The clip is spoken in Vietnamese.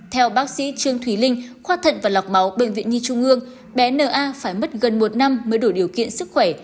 theo bác sĩ trương thùy linh khoa thận và lọc máu bệnh viện nhi trung ương bé na phải mất gần một năm mới đủ điều kiện sức khỏe